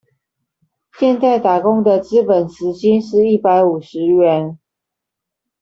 現在打工的基本時薪是一百五十元